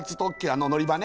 あの乗り場ね